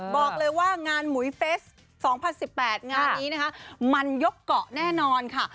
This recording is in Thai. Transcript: บอกเลยว่างานหมุยเฟส๒๐๑๘งานนี้นะคะมันยกเกาะแน่นอนค่ะ